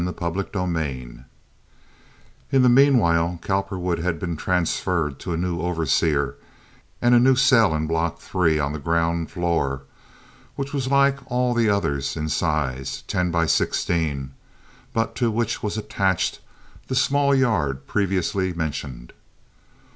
Chapter LV In the meanwhile Cowperwood had been transferred to a new overseer and a new cell in Block 3 on the ground door, which was like all the others in size, ten by sixteen, but to which was attached the small yard previously mentioned.